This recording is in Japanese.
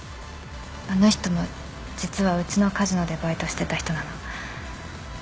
あの人も実はうちのカジノでバイトしてた人なの